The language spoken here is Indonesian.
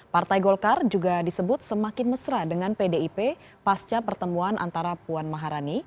partai golkar juga disebut semakin mesra dengan pdip pasca pertemuan antara puan maharani